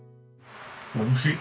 おいしい。